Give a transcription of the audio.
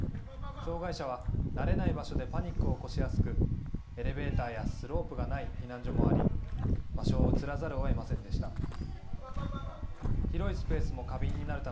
障害者は慣れない場所でパニックを起こしやすく、エレベーターやスロープがない避難所もあり、場所を移らざるをえませんでした。